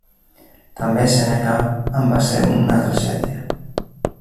També Sèneca en va ser una tragèdia.